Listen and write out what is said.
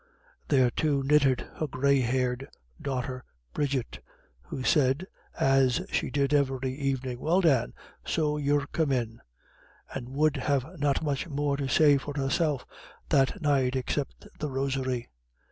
There, too, knitted her grey haired daughter Bridget, who said, as she did every evening, "Well, Dan, so you're come in," and would have not much more to say for herself that night except the Rosary.